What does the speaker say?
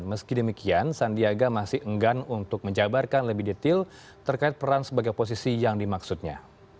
meski demikian sandiaga masih enggan untuk menjabarkan lebih detail terkait peran sebagai oposisi yang dimaksudnya